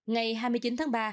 ngày hai mươi chín tháng ba